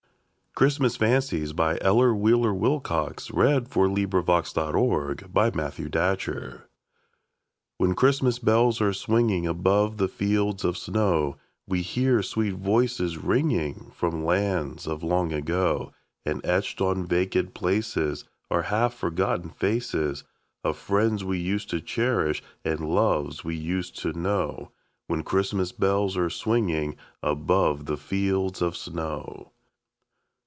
ars, lo, thou shalt hear it, And all God's joys shall be at thy command. CHRISTMAS FANCIES When Christmas bells are swinging above the fields of snow, We hear sweet voices ringing from lands of long ago, And etched on vacant places Are half forgotten faces Of friends we used to cherish, and loves we used to know— When Christmas bells are swinging above the fields of snow.